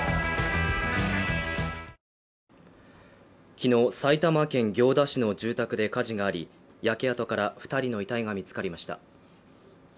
昨日、埼玉県行田市の住宅で火事があり焼け跡から２人の遺体が見つかりました。